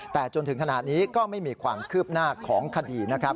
แต่จนถึงขณะนี้ก็ไม่มีความคืบหน้าของคดีนะครับ